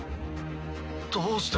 どうして。